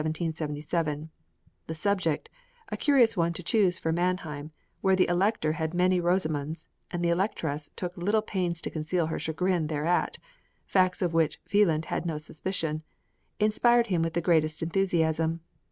The subject a curious one to choose for Mannheim, where the Elector had many Rosamunds, and the Electress took little pains to conceal her chagrin thereat (facts of which Wieland had no suspicion) inspired him with the greatest enthusiasm.